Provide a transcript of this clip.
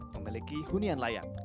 memiliki hunian layak